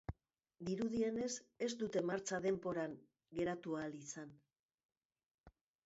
Dirudienez, ez dute martxa denboran geratu ahal izan.